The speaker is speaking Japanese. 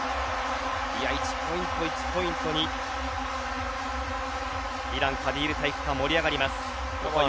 １ポイント１ポイントにイラン、カディール体育館が盛り上がります。